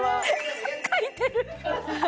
書いてる！